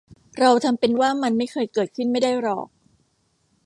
เราทำเป็นว่ามันไม่เคยเกิดขึ้นไม่ได้หรอก